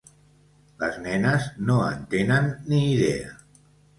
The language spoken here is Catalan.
Les nenes no en tenen ni idea.